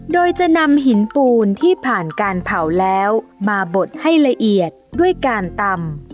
โดยจะนำหินปูนที่ผ่านการเผาแล้วมาบดให้ละเอียดด้วยการตำ